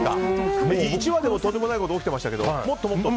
１話でも、とんでもないことが起きてましたけどもっともっと？